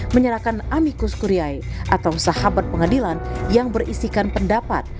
menyerahkan amikus kuryai atau sahabat pengadilan yang berisikan pendapat